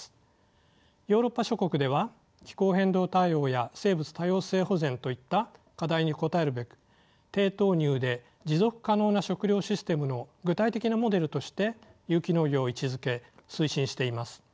ヨーロッパ諸国では気候変動対応や生物多様性保全といった課題に応えるべく低投入で持続可能な食料システムの具体的なモデルとして有機農業を位置づけ推進しています。